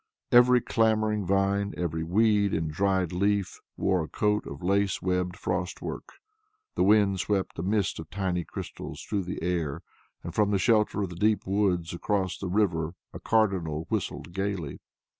Every clambering vine, every weed and dried leaf wore a coat of lace webbed frostwork. The wind swept a mist of tiny crystals through the air, and from the shelter of the deep woods across the river a Cardinal whistled gayly.